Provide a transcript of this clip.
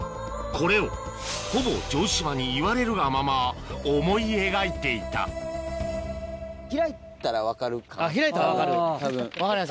これをほぼ城島に言われるがまま思い描いていたあっ開いたら分かる分かりました。